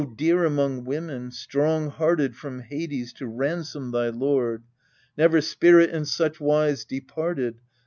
dear among women, strong hearted From Hades to ransom thy lord ! Never spirit in such wise departed.